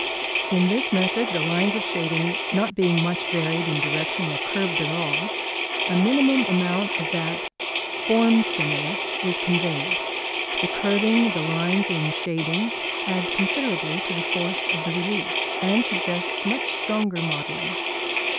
] In this method the lines of shading not being much varied in direction or curved at all, a minimum amount of that "form stimulus" is conveyed. The curving of the lines in shading adds considerably to the force of the relief, and suggests much stronger modelling.